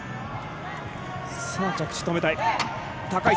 着地、止めたい。